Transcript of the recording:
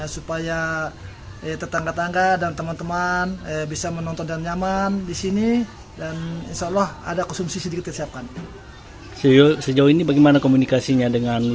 supaya tetangga tetangga dan teman teman bisa menonton dengan nyaman